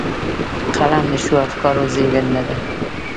قلم د ښو افکارو زېږنده ده